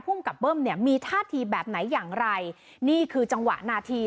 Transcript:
กับเบิ้มเนี่ยมีท่าทีแบบไหนอย่างไรนี่คือจังหวะนาที